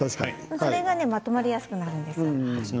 そうするとまとまりやすくなるんです。